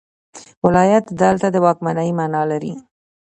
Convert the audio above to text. ولایت دلته د واکمنۍ معنی لري.